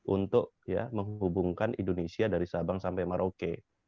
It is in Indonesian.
untuk menghubungkan indonesia dari sabang sampai merauke